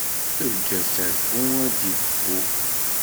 Eǧǧ asafu ad d-ifu!